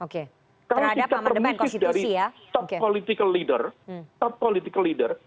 kalau sikap remistis dari top political leader